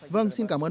vâng xin cảm ơn ông